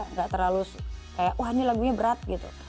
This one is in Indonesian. nggak terlalu kayak wah ini lagunya berat gitu